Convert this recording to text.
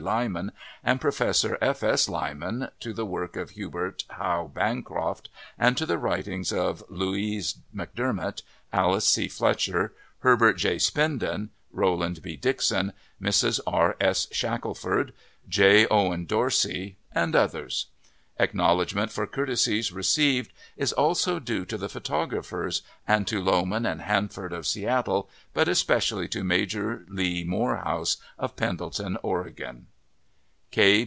D. Lyman and Professor F. S. Lyman, to the work of Hubert Howe Bancroft, and to the writings of Louise McDermott, Alice C. Fletcher, Herbert J. Spinden, Roland B. Dixon, Mrs. R. S. Shackelford, PREFACE J. Owen Dorsey, and others. Acknowledgment for courtesies received is also due to the photographers, and to Lowman & Hanford, of Seattle, but especially to Major Lee Moorhouse, of Pendleton, Oregon.